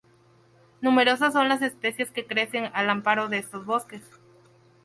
Numerosas son las especies que crecen al amparo de estos bosques.